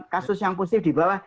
kasus yang positif di bawah